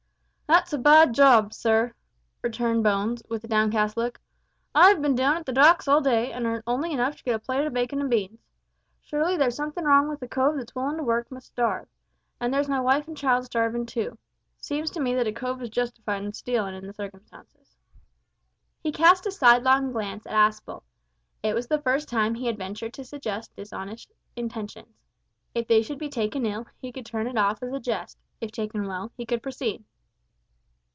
"That's a bad job, sir," returned Bones, with a downcast look. "I've bin down at the docks all day, an' earned only enough to get a plate of bacon and beans. Surely there's somethin' wrong when a cove that's willin' to work must starve; and there's my wife and child starvin' too. Seems to me that a cove is justified in stealin' in the circumstances." He cast a sidelong glance at Aspel. It was the first time he had ventured to suggest dishonest intentions. If they should be taken ill, he could turn it off as a jest; if taken well, he could proceed.